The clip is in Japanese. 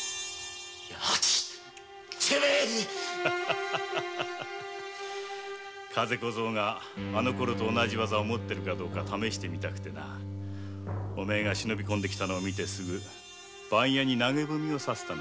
ハハハ風小僧があのころと同じ技を持ってるか試してみたくてなおめえが忍び込んで来るのを見て番屋に投げ文をさせたのさ。